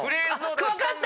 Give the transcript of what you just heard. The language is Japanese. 分かった！